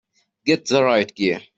Get the riot gear!